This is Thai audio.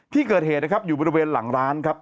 ที่เกิดเหตุนะครับอยู่บริเวณหลังร้านครับ